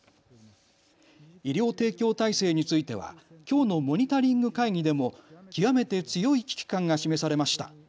医療提供体制についてはきょうのモニタリング会議でも極めて強い危機感が示されました。